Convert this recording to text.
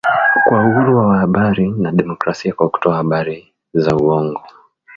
kwa uhuru wa habari na demokrasia kwa kutoa habari za uongo